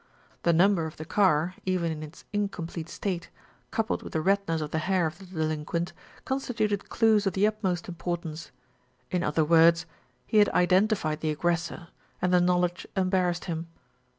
The number of the car, even in its incomplete state, coupled with the redness of the hair of the delinquent, constituted clues of the ut most importance. In other words, he had identified the aggressor, and the knowledge embarrassed him.